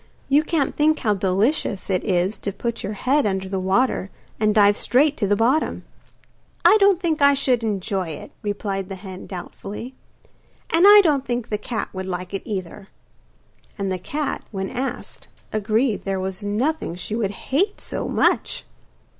You can't think how delicious it is to put your head under the water and dive straight to the bottom.' 'I don't think I should enjoy it,' replied the hen doubtfully. 'And I don't think the cat would like it either.' And the cat, when asked, agreed there was nothing she would hate so much.